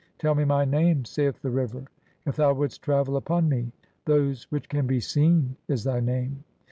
"Tell me my name," saith the River, "if thou wouldst travel "upon me"; "Those which can be seen" is thy name.